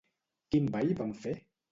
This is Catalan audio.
Quin ball van fer?